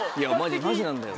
マジなんだよ。